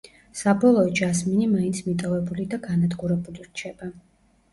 საბოლოოდ ჟასმინი მაინც მიტოვებული და განადგურებული რჩება.